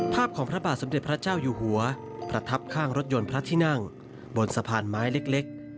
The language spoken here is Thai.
ภาพของพระบาทสมเด็จพระเจ้าอยู่หัวประทับข้างรถยนต์พระที่นั่งบนสะพานไม้เล็ก